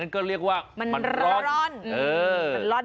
ก็เรียกว่ามันรอด